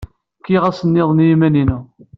Kkiɣ ass niḍen i yiman-inu.